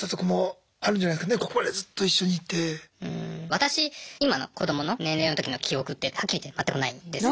私今の子どもの年齢のときの記憶ってはっきり言って全くないんですよ。